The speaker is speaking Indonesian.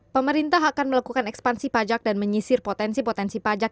pemerintah akan melakukan ekspansi pajak dan menyisir potensi potensi pajak